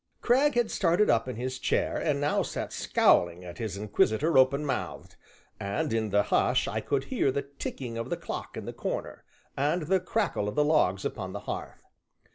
Cragg had started up in his chair and now sat scowling at his inquisitor open mouthed; and in the hush I could hear the ticking of the clock in the corner, and the crackle of the logs upon the hearth.